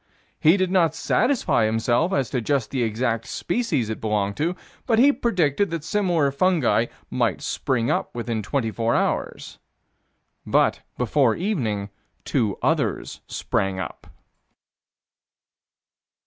He did not satisfy himself as to just the exact species it belonged to, but he predicted that similar fungi might spring up within twenty four hours But, before evening, two others sprang up.